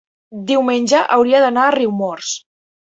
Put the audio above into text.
diumenge hauria d'anar a Riumors.